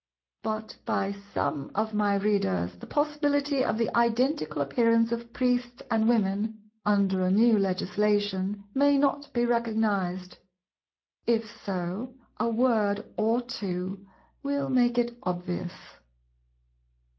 But by some of my Readers the possibility of the identical appearance of Priests and Women, under a new Legislation, may not be recognized; if so, a word or two will make it obvious.